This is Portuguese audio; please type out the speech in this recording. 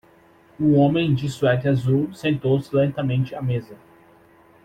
Um homem de suéter azul sentou-se lentamente à mesa.